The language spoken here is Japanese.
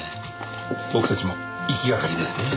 僕たちも行きがかりですね。